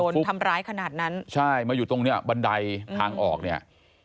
โดนทำร้ายขนาดนั้นใช่มาอยู่ตรงเนี้ยบันไดทางออกเนี่ย